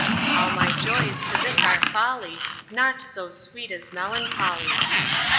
All my joys to this are folly, Naught so sweet as melancholy.